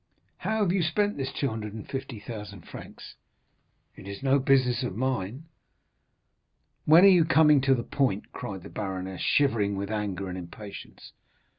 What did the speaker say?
How have you spent this 250,000 francs?—it is no business of mine." "When are you coming to the point?" cried the baroness, shivering with anger and impatience.